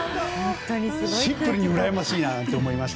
シンプルに羨ましいなと思いました。